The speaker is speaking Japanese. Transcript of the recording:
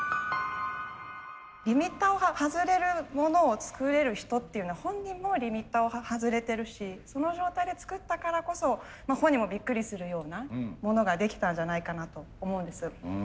リミッターを外れるものを作れる人っていうのは本人もリミッターを外れてるしその状態で作ったからこそ本人もびっくりするようなものができたんじゃないかなと思うんです。